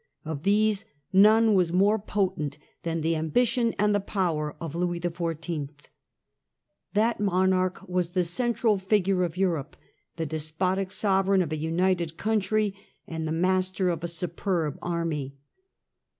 Of these none was more potent than the ambition and the power of Louis XIV. That monarch was the central figure of Europe, the despotic sovereign of a united country and the master of a superb army.